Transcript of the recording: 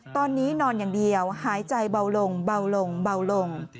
ตอนนี้นอนอย่างเดียวหายใจเบาลงเบาลงเบาลง